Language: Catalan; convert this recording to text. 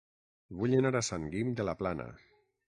Vull anar a Sant Guim de la Plana